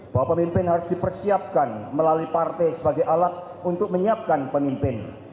bahwa pemimpin harus dipersiapkan melalui partai sebagai alat untuk menyiapkan pemimpin